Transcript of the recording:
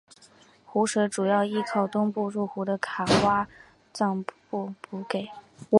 湖水主要依靠东部入湖的卡挖臧布补给。